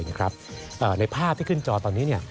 ในภาพที่ขึ้นจอตอนนี้